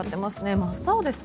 真っ青ですね。